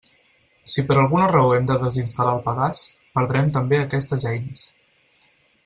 Si per alguna raó hem de desinstal·lar el pedaç, perdrem també aquestes eines.